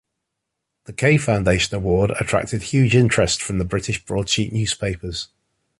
The K Foundation award attracted huge interest from the British broadsheet newspapers.